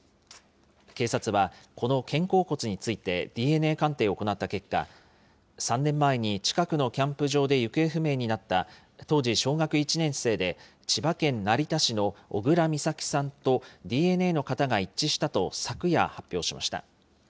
警察は、この肩甲骨についてＤＮＡ鑑定を行った結果、３年前に近くのキャンプ場で行方不明になった当時小学１年生で、千葉県成田市の小倉美咲さんと、ＤＮＡの型が一致したと昨夜、発表しました。